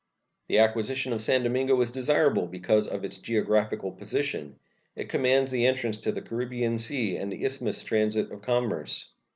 The acquisition of San Domingo is desirable because of its geographical position. It commands the entrance to the Caribbean Sea and the Isthmus transit of commerce.